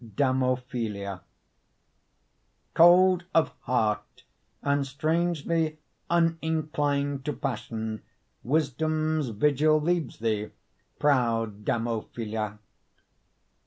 DAMOPHYLA Cold of heart and strangely Uninclined to passion, Wisdom's vigil leaves thee, Proud Damophyla.